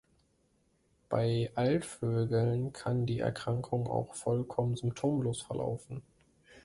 Bei Altvögeln kann die Erkrankung auch vollkommen symptomlos verlaufen.